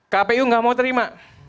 kpu gak mau terima